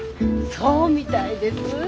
そうみたいです。